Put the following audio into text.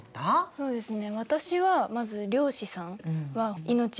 そうですね。